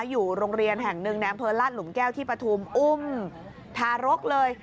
อยู่โรงเรียนแห่งหนึ่งในอำเภอลาดหลุมแก้วที่ปฐุมอุ้มทารกเลย